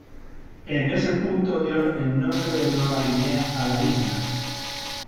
En ese punto dio el nombre de "Nueva Guinea" a la isla.